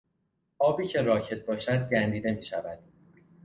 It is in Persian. آبی که راکد باشد گندیده میشود.